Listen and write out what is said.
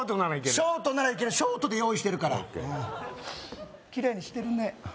ショートならいけるショートで用意してるからＯＫキレイにしてるね